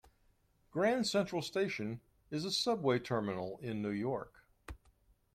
Grand Central Station is a subway terminal in New York.